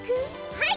はい！